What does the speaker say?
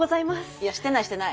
いやしてないしてない。